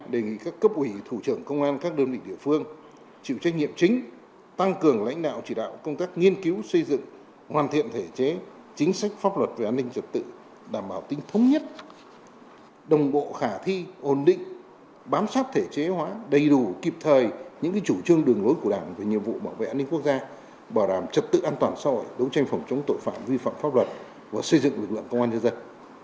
đề nghị các cấp ủy thủ trưởng công an các đơn vị địa phương chịu trách nhiệm chính tăng cường lãnh đạo chỉ đạo công tác nghiên cứu xây dựng hoàn thiện thể chế chính sách pháp luật về an ninh trật tự đảm bảo tính thống nhất đồng bộ khả thi ồn định bám sát thể chế hóa đầy đủ kịp thời những chủ trương đường lối của đảng về nhiệm vụ bảo vệ an ninh quốc gia bảo đảm trật tự an toàn so với đấu tranh phòng chống tội phạm vi phạm pháp luật và xây dựng lực lượng công an nhân dân